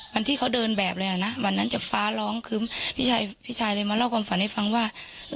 วันที่เขาเดินแบบเลยนะวันนั้นจะฟ้าร้องคือพี่ชายเลยมาเล่าความฝันให้ฟังว่า